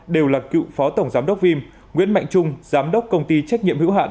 đều là cựu phó tổng giám đốc vim nguyễn mạnh trung giám đốc công ty trách nhiệm hữu hạn